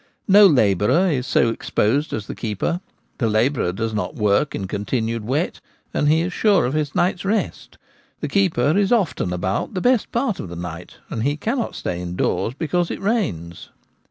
No labourer is so exposed as the keeper : the labourer does not work in continued wet, and he is sure of his night's rest The keeper is often about the best part of the night, and he cannot stay indoors because it rains.